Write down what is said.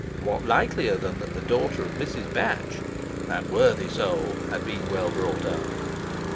What likelier than that the daughter of Mrs. Batch, that worthy soul, had been well brought up?